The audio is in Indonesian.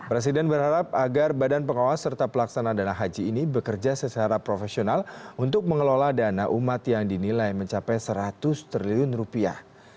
presiden berharap agar badan pengawas serta pelaksana dana haji ini bekerja secara profesional untuk mengelola dana umat yang dinilai mencapai seratus triliun rupiah